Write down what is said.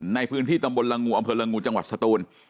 ในพื้นที่ตำบลละงูอำเภอละงูจังหวัดสตูน